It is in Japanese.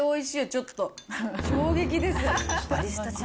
ちょっと、衝撃です。